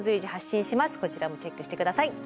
こちらもチェックしてください。